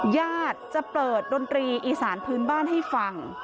ญาติจะเปิดดนตรีอีสานพื้นบ้านให้ฟัง